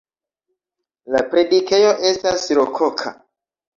La predikejo estas rokoka.